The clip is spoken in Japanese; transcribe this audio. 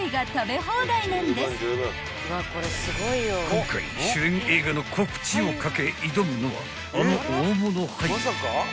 ［今回主演映画の告知を懸け挑むのはあの大物俳優］